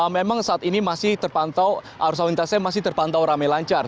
memang saat ini masih terpantau arus lalu lintasnya masih terpantau rame lancar